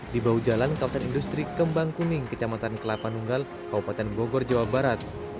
di bawah jalan kawasan industri kembang kuning kecamatan kelapa nunggal kabupaten bogor jawa barat